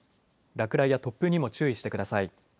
落雷や突風にも注意してください。